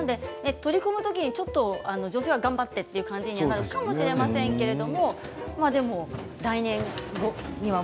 取り込むときに女性は頑張ってという感じになるかもしれませんけど来年には。